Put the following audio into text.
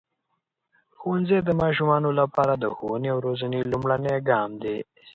ښوونځی د ماشومانو لپاره د ښوونې او روزنې لومړنی ګام دی.